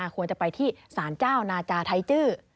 ควรจะไปที่สารเจ้านาจาไทยจื้อ